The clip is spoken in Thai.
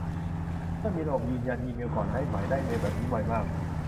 ช่วยมีระบบยืนยันอีเมลก่อนได้ไหม ได้เมลแบบนี้บ่อยมาก